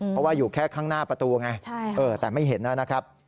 เพราะว่าอยู่แค่ข้างหน้าประตูไงแต่ไม่เห็นนะครับ